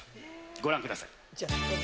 ご覧ください。